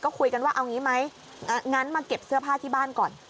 ก็คุยกันว่าเอางี้ไหมงั้นมาเก็บเสื้อผ้าที่บ้านก่อน